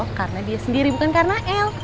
karena dia sendiri bukan karena el